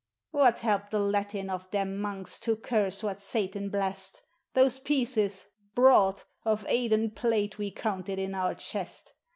What helped the Latin of their monks to curse what Satan blessed! Those pieces, broad, of eight and plate we counted in our chest.